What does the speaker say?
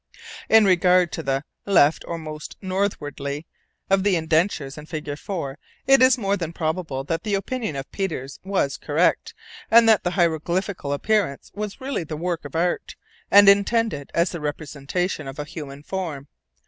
In regard to the "left or most northwardly" of the indentures in figure 4, it is more than probable that the opinion of Peters was correct, and that the hieroglyphical appearance was really the work of art, and intended as the representation of a human form.